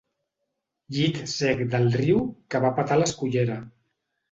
Llit sec del riu que va a petar a l'escullera.